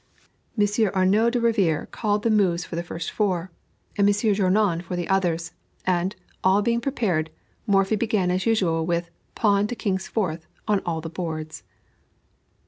Monsieur Arnoux de Rivière called the moves for the first four, and Monsieur Journoud for the others; and, all being prepared, Morphy began as usual with "Pawn to King's Fourth on all the boards."